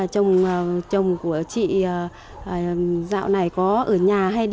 chồng của chị dạo này có ở nhà hay đi